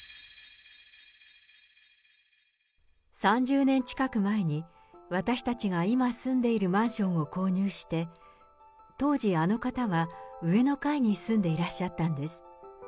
３０年近く前に、私たちが今住んでいるマンションを購入して、当時、あの方は上の階に住んでいらっしゃったんです。